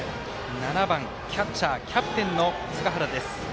７番、キャッチャーキャプテンの塚原です。